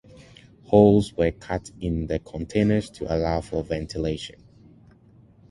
Holes were cut in the containers to allow for ventilation.